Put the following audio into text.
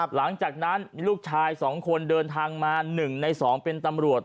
หลังจากนั้นมีลูกชาย๒คนเดินทางมา๑ใน๒เป็นตำรวจ